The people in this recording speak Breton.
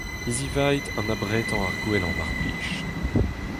Hizivait an abretañ ar gwellañ mar plij.